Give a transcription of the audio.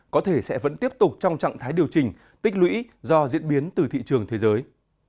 có thể sẽ vẫn tiếp tục trong trạng thái điều chỉnh tích lũy do diễn biến từ thị trường thế giới